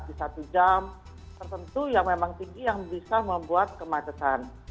di satu jam tertentu yang memang tinggi yang bisa membuat kemacetan